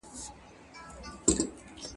باید کړو سرمشق د کړنو په کتار کي د سیالانو !.